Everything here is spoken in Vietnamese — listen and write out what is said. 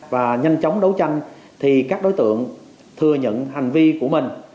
và nhanh chóng đấu tranh thì các đối tượng thừa nhận hành vi của mình